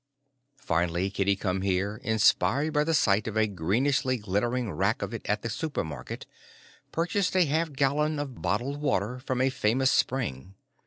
Finally Kitty Come Here, inspired by the sight of a greenly glittering rack of it at the supermarket, purchased a half gallon of bottled water from a famous spring.